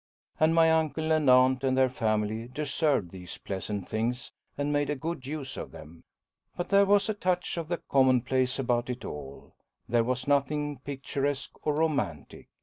And my uncle and aunt and their family deserved these pleasant things and made a good use of them. But there was a touch of the commonplace about it all. There was nothing picturesque or romantic.